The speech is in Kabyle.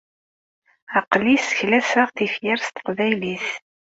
Aql-i seklaseɣ tifyar s teqbaylit.